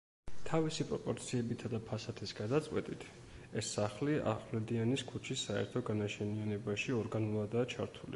თავისი პროპორციებითა და ფასადის გადაწყვეტით ეს სახლი ახვლედიანის ქუჩის საერთო განაშენიანებაში ორგანულადაა ჩართული.